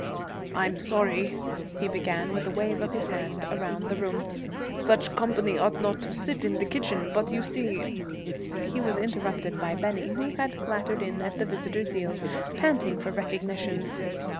'I'm sorry,' he began, with a wave of his hand around the room. 'Such company ought not to sit in the kitchen, but you see ' He was interrupted by Bennie, who had clattered in at the visitor's heels, panting for recognition.